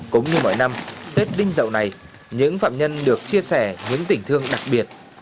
cũng như mỗi năm tết đinh dậu này những phạm nhân được chia sẻ những tình thương đặc biệt